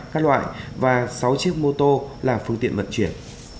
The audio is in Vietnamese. các loại và sáu chiếc mô tô là phương tiện vận chuyển